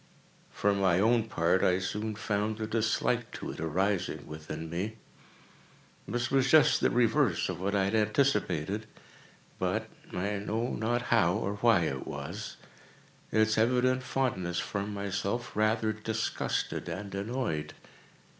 For my own part, I soon found a dislike to it arising within me. This was just the reverse of what I had anticipated; but—I know not how or why it was—its evident fondness for myself rather disgusted and annoyed.